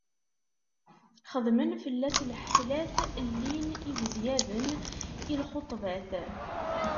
Xedmen fell-as lḥeflat, llin ibezyaben i lxuṭbat.